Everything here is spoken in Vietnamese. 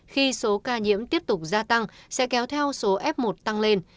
khi số ca nhiễm tiếp tục gia tăng sẽ kéo theo số f một tăng lên